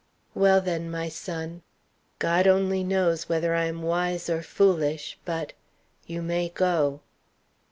"Well, then, my son God only knows whether I am wise or foolish, but you may go."